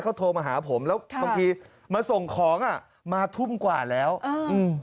เขาโทรมาหาผมแล้วค่ะบางทีมาส่งของอ่ะมาทุ่มกว่าแล้วอ่าอืม